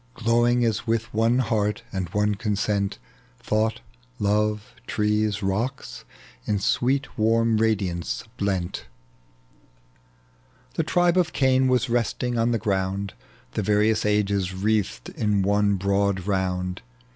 Glowing as with one heart and one consent — Thought, love, trees, rocks, in sweet warm radiance blent, The tribe of Cain was resting on the ground, The various ^es wreathed in one broad round.